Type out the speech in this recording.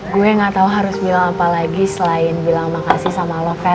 gue gak tau harus bilang apa lagi selain bilang makasih sama loket